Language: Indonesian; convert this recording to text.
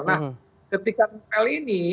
nah ketika nempel ini